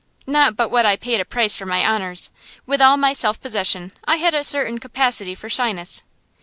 Not but what I paid a price for my honors. With all my self possession I had a certain capacity for shyness.